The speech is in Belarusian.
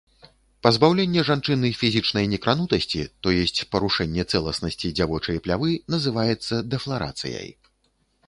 Пазбаўленне жанчыны фізічнай некранутасці, то есць парушэнне цэласнасці дзявочай плявы, называецца дэфларацыяй.